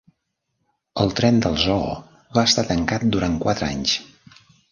El tren del zoo va estar tancat durant quatre anys.